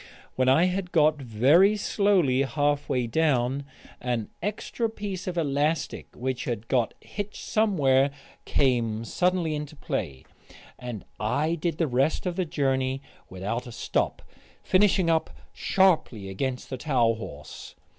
When I had got very slowly halfway down, an extra piece of elastic which had got hitched somewhere came suddenly into play, and I did the rest of the journey without a stop, finishing up sharply against the towel horse.